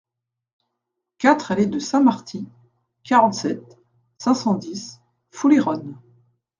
quatre allée de Saint-Marty, quarante-sept, cinq cent dix, Foulayronnes